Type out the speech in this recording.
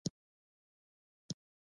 صداقت د مامور نښه ده؟